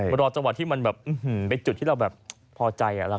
มันรอจังหวะที่มันแบบไปจุดที่เราแบบพอใจอ่ะราคา